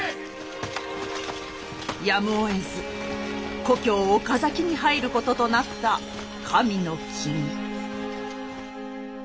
やむをえず故郷岡崎に入ることとなった神の君。